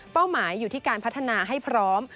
หมายอยู่ที่การพัฒนาให้พร้อม